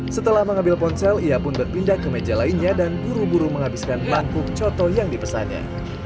setelah mengambil ponsel ia pun berpindah ke meja lainnya dan buru buru menghabiskan bangkuk coto yang dipesannya